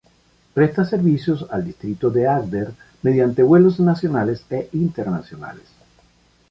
Presta servicio al distrito de Agder mediante vuelos nacionales e internacionales.